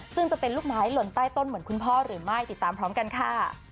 ซึ่งจะเป็นลูกไม้หล่นใต้ต้นเหมือนคุณพ่อหรือไม่ติดตามพร้อมกันค่ะ